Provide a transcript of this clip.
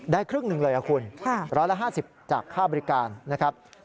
ได้ครึ่งหนึ่งเลยครับคุณร้อยละ๕๐จากค่าบริการนะครับค่ะ